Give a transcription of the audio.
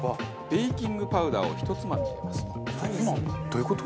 ベーキングパウダーをひとつまみ入れますと。